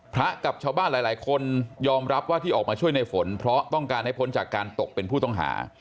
พระกับชาวบ้านหลายคนยอมรับว่าที่ออกมาช่วยในฝนเพราะต้องการให้พ้นจากการตกเป็นผู้ต้องหา